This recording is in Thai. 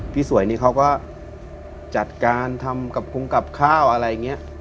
พี่สวยเนี้ยเขาก็จัดการทำกับคุมกับข้าวอะไรอย่างเงี้ยค่ะ